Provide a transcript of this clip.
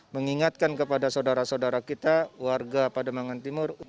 mengingatkan kepada saudara saudara kita warga pademangan timur